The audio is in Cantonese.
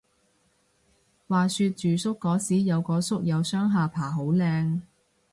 話說住宿嗰時有個宿友雙下巴好靚